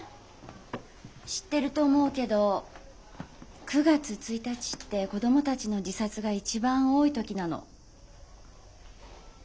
知ってると思うけど９月１日って子供たちの自殺が一番多い時なの。